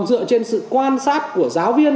dựa trên sự quan sát của giáo viên